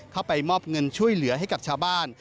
เข้าไปมอบเงินช่วยเหลือให้กับชาวบ้าน